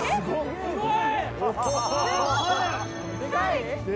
すごい。